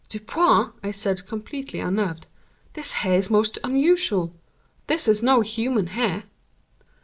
"Dupin!" I said, completely unnerved; "this hair is most unusual—this is no human hair."